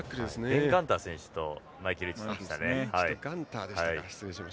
ベン・ガンター選手とマイケル選手でしたね。